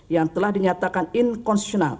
yang telah dinyatakan inkonstitusional